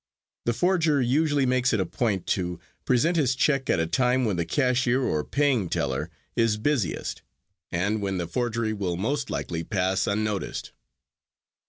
The forger usually makes it a point to present his check at a time when the cashier or paying teller is busiest, and when the forgery will most likely pass unnoticed.